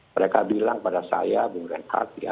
mereka bilang pada saya bung reinhardt ya